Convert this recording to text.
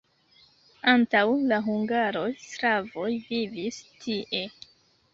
Antaŭ la hungaroj slavoj vivis tie.